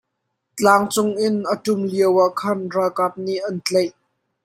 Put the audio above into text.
Tlang cungin a ṭum lioah khan ralkap nih an tlaih.